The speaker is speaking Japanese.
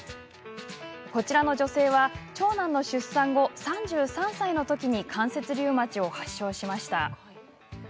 こちらの女性は、長男の出産後３３歳のときに関節リウマチを発症しました。